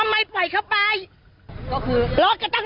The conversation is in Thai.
ไม่รู้มึง